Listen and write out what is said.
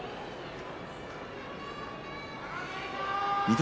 翠